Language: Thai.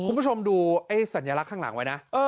คุณผู้ชมดูไอ้สัญลักษณ์ข้างหลังไว้นะ